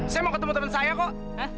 saya mau ketemu teman saya kok